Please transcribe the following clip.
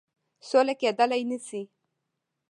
سوله کېدلای نه سي.